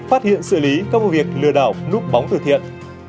phát hiện xử lý các vụ việc lừa đảo núp bóng từ thiện